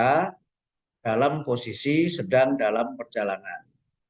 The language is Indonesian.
karena dalam posisi sedang dalam perjalanan